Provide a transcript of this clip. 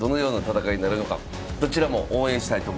どちらも応援したいと思います。